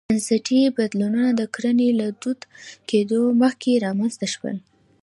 بنسټي بدلونونه د کرنې له دود کېدو مخکې رامنځته شول.